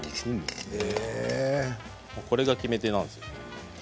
これが決め手なんですよ。